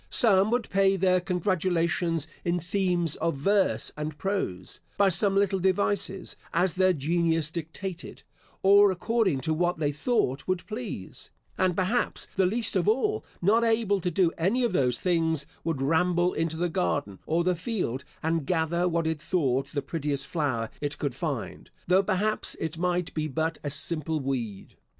Some would pay their congratulations in themes of verse and prose, by some little devices, as their genius dictated, or according to what they thought would please; and, perhaps, the least of all, not able to do any of those things, would ramble into the garden, or the field, and gather what it thought the prettiest flower it could find, though, perhaps, it might be but a simple weed.